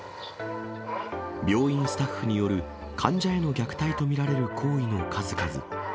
病院スタッフによる患者への虐待と見られる行為の数々。